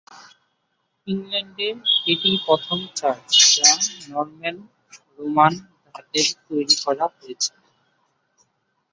ইংল্যান্ডে এটিই প্রথম চার্চ, যা নরম্যান রোমান ধাঁচে তৈরী করা হয়েছে।